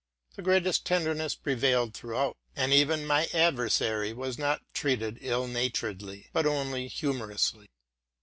The greatest tenderness prevailed throughout ; and even my adver sary was not treated ill naturedly, but only humorously.